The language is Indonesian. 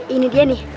ini dia nih